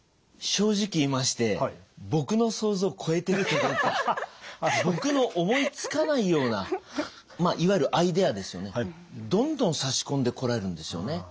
正直言いましてぼくの思いつかないようないわゆるアイデアですよねどんどん差し込んでこられるんですよね。